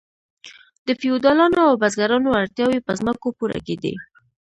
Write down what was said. د فیوډالانو او بزګرانو اړتیاوې په ځمکو پوره کیدې.